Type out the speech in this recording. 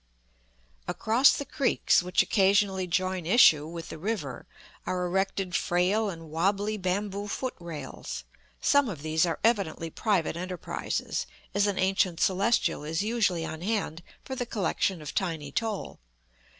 Across the creeks which occasionally join issue with the river, are erected frail and wabbly bamboo foot rails; some of these are evidently private enterprises, as an ancient Celestial is usually on hand for the collection of tiny toll.